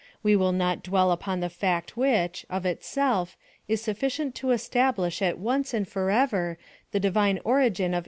We will not dwell upon the fact which, of itself, is sufficient to establish at once and forever the Divine origin PLAN OF SALVATION.